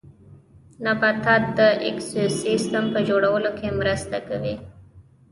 نباتات د ايکوسيستم په جوړولو کې مرسته کوي